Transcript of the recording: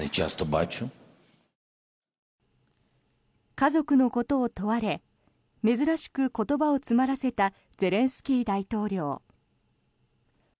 家族のことを問われ珍しく言葉を詰まらせたゼレンスキー大統領。